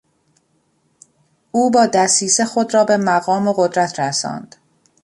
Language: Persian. او با دسیسه خود را به مقام و قدرت رساند.